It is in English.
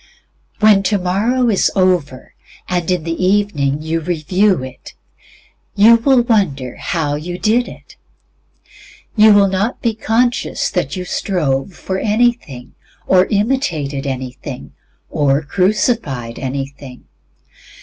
When tomorrow is over, and in the evening you review it, you will wonder how you did it. You will not be conscious that you strove for anything, or imitated anything, or crucified anything.